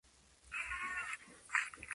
Este último no atacó.